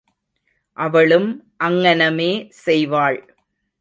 அவளும் அங்ஙனமே செய்வாள்.